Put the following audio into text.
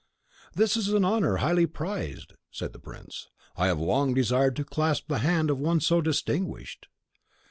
"This is an honour highly prized," said the prince. "I have long desired to clasp the hand of one so distinguished."